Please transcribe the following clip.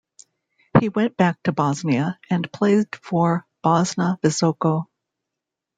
He went back to Bosnia and played for Bosna Visoko.